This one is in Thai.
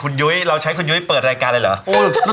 คุณยุ้ยเราใช้คุณยุ้ยเปิดรายการเลยเหรอ